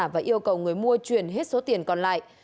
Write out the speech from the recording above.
và yêu cầu người mua chuyển hết số tiền còn lại